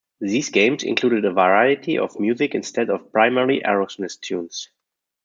These games included a variety of music instead of primarily Aerosmith tunes.